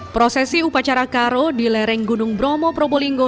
prosesi upacara karo di lereng gunung bromo probolinggo